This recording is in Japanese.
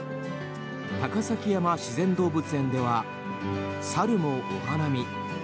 高崎山自然動物園では猿もお花見。